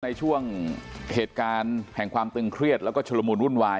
ในช่วงเหตุการณ์แห่งความตึงเครียดแล้วก็ชุลมูลวุ่นวาย